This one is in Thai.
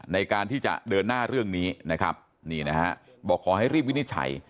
ในการที่จะเดินหน้าเรื่องนี้นะครับนี่นะฮะบอกขอให้รีบวินิจฉัย